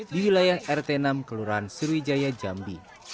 di wilayah rt enam kelurahan sriwijaya jambi